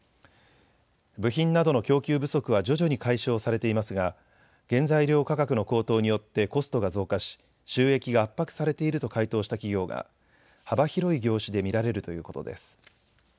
部品などの供給不足は徐々に解消されていますが原材料価格の高騰によってコストが増加し収益が圧迫されていると回答した企業が幅広い業種で見られるということです。